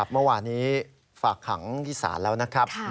เมื่อวานี้ฝากขังที่ศาลแล้วนะครับ